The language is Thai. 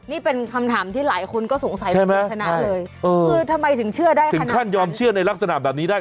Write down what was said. นี่เป็นคำถามที่หลายคนก็สงสัยคุณชนะเลยคือทำไมถึงเชื่อได้ค่ะถึงขั้นยอมเชื่อในลักษณะแบบนี้ได้